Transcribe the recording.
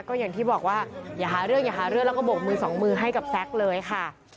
ก็อย่างที่บอกว่าอย่าหาเรื่องอย่าหาเรื่องแล้วก็โบกมือสองมือให้กับแซคเลยค่ะ